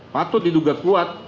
patut diduga kuat